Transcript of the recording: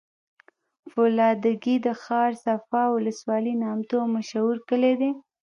فولادګی د ښارصفا ولسوالی نامتو او مشهوره کلي دی